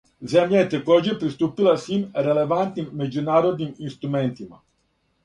Земља је такође приступила свим релевантним међународним инструментима.